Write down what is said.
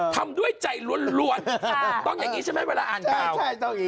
ทำด้วยใจล้วนต้องอย่างนี้ใช่ไหมเวลาอ่านข่าว